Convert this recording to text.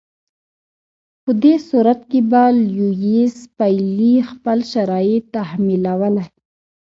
په دې صورت کې به لیویس پیلي خپل شرایط تحمیلولای.